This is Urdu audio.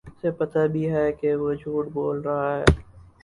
اُسے پتہ بھی ہے کہ وہ جھوٹ بول رہا ہے